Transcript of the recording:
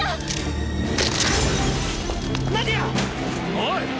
おい！